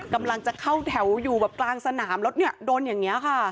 กำลังจะเข้าแถวอยู่แบบกลางสนามแล้วเนี่ยโดนอย่างนี้ค่ะ